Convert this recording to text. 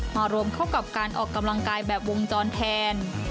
มารวมเข้ากับการออกกำลังกายแบบวงจรแทน